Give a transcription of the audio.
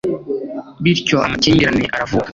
bityo amakimbirane aravuka